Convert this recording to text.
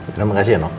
terima kasih ya no